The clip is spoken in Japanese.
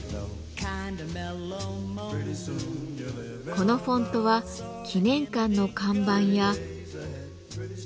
このフォントは記念館の看板や。